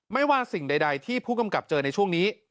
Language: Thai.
ไม่ว่าสิ่งใดที่ผู้กำกับเจอในช่วงนี้